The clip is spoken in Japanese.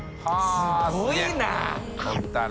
すごいな！